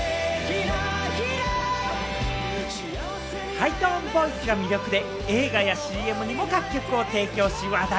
ハイトーンボイスが魅力で映画やＣＭにも楽曲を提供し話題。